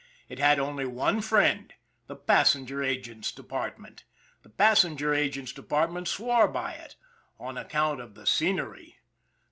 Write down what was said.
It had only one friend the passenger agent's department. The passenger agent's department swore by it on account of the scenery.